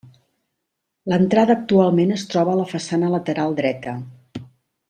L’entrada actualment es troba a la façana lateral dreta.